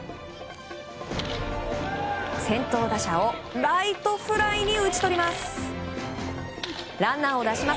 先頭打者をライトフライに打ち取ります。